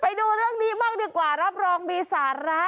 ไปดูเรื่องนี้บ้างดีกว่ารับรองมีสาระ